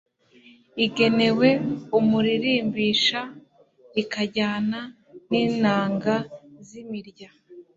igenewe umuririmbisha, ikajyana n'inanga z'imirya